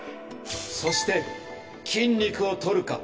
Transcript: そして筋肉を取るか？